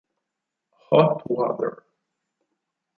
Hot Water